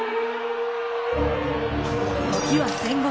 時は戦国。